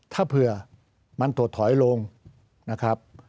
ถ้าเผื่อมันถดถอยลงนะครับ